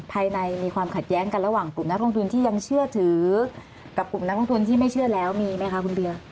มีความขัดแย้งกันระหว่างกลุ่มนักลงทุนที่ยังเชื่อถือกับกลุ่มนักลงทุนที่ไม่เชื่อแล้วมีไหมคะคุณเบียร์